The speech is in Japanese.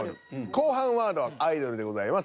後半ワードは「アイドル」でございます。